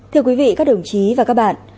thưa quý vị các đồng chí và các bạn